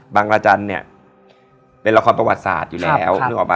บางรจันทร์เนี้ยเป็นละครประวัติศาสตร์อยู่แล้วครับนึกออกป่ะ